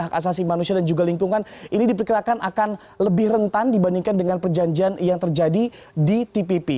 hak asasi manusia dan juga lingkungan ini diperkirakan akan lebih rentan dibandingkan dengan perjanjian yang terjadi di tpp